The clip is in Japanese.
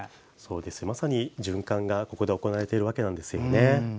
まさに、循環がここで行われているんですね。